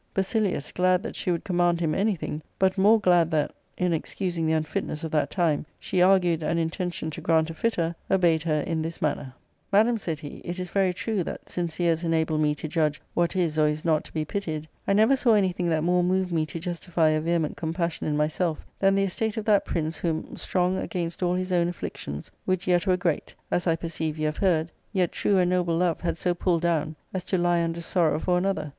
Basilius, glad that she would command him anything, but more glad that, in excusing the unfitness of that time, she argued an intention to grant a fitter, obeyed her in this manner — ARCADIA. ^Bvok IL 233 " Madam," said he, " it is very true that, since years enabled me to judge what is or is not to be pitied, I never saw anything that more moved me to justify a vehement com passion in myself than the estate of that prince, whom, strong against all his own afflictions, which yet were great, as I per ceive you have heard, yet true and noble love had so pulled down as to lie under sorrow for another.